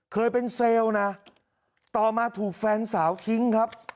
เคยเป็นเซลล์นะต่อมาถูกแฟนสาวทิ้งครับ